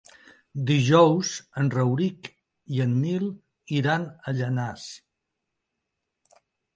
Dijous en Rauric i en Nil iran a Llanars.